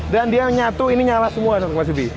dan dia nyatu ini nyala semua sama kemas v